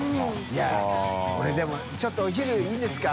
い俺でも「ちょっとお昼いいですか？」